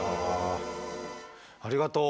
ありがとう。